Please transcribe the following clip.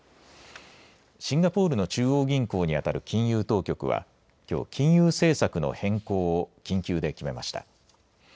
シンガポールの中央銀行にあたる金融当局はきょう金融政策の変更を緊急で決めました。